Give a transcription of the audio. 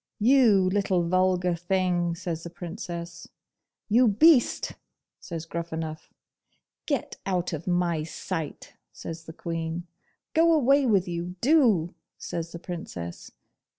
'You little vulgar thing!' says the Princess. 'You beast!' says Gruffanuff. 'Get out of my sight!' says the Queen. 'Go away with you, do!' says the Princess.